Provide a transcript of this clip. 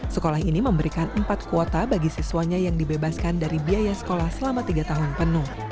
sekolah ini memberikan empat kuota bagi siswanya yang dibebaskan dari biaya sekolah selama tiga tahun penuh